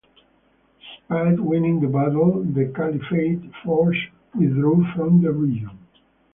Despite winning the battle, the Caliphate forces withdrew from the region.